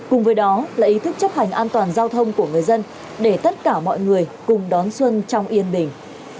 cùng với đó là ý thức chấp hành an toàn giao thông của người dân để tất cả mọi người cùng đón xuân trong yên bình